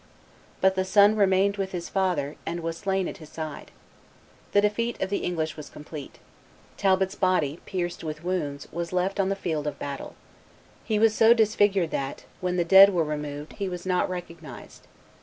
But the son remained with his father, and was slain at his side. The defeat of the English was complete. Talbot's body, pierced with wounds, was left on the field of battle. He was so disfigured that, when the dead were removed, he was not recognized.